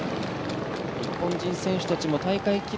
日本人選手たちも大会記録